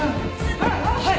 はい！